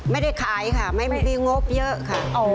ไม่ได้ขายค่ะไม่มีงบเยอะค่ะ